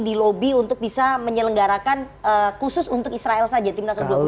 melobi untuk bisa menyelenggarakan khusus untuk israel saja timnas ke dua puluh